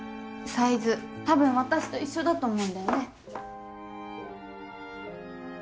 サイズたぶん私と一緒だと思うんだよね。